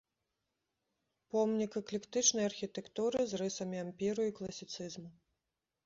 Помнік эклектычнай архітэктуры з рысамі ампіру і класіцызму.